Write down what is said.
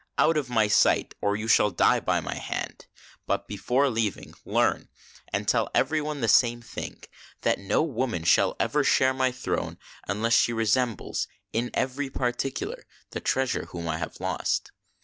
Out of my sight, or you shall die by my hand ! But, before leaving, learn, and tell every ll 9 120 THE FAIRY SPINNING WHEEL one the same thing, that no woman shall ever share my throne unless she resembles, in every particular, the treasure whom I have lost."